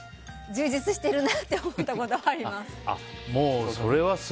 充実してるなって思ったことあります。